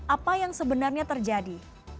apa yang sebenarnya terjadi